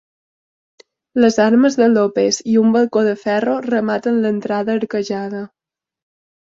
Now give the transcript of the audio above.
Les armes de Lopes i un balcó de ferro rematen l'entrada arquejada.